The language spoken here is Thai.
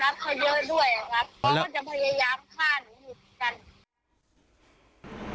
เขาก็จะพยายามฆ่าหนูเหมือนกัน